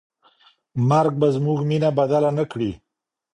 مرګ به زموږ مینه بدله نه کړي.